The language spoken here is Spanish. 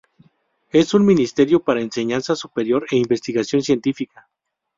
Es un ministerio para enseñanza superior e investigación científica.